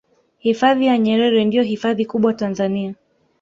hifadhi ya nyerere ndiyo hifadhi kubwa tanzania